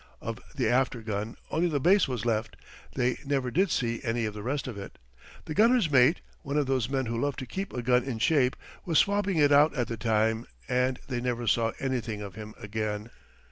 Of the after gun only the base was left; they never did see any of the rest of it. The gunner's mate, one of those men who love to keep a gun in shape, was swabbing it out at the time, and they never saw anything of him again.